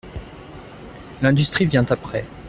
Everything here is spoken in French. L'industrie vient après.